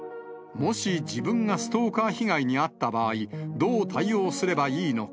もし自分がストーカー被害に遭った場合、どう対応すればいいのか。